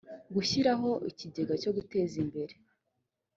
gushyiraho ikigega cyo guteza imbere